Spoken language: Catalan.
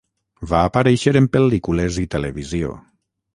Va aparèixer en pel·lícules i televisió.